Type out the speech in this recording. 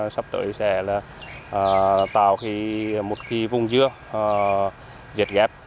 sắp tới sẽ tạo một vùng dưa việt gáp